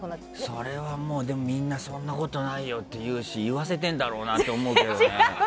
それは、みんなそんなことないよって言うし言わせてるんだろうなって思うけどね。